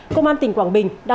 công an tỉnh quảng bình